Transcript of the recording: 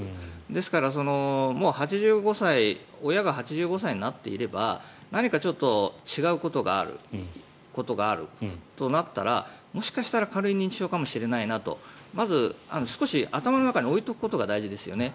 ですからもう親が８５歳になっていれば何かちょっと違うことがあることがあるとなったらもしかしたら軽い認知症かもしれないなとまず、少し頭の中に置いておくことが大事ですよね。